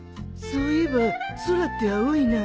そういえば空って青いな